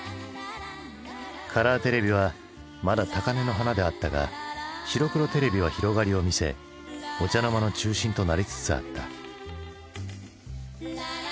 カラーテレビはまだ高根の花であったが白黒テレビは広がりを見せお茶の間の中心となりつつあった。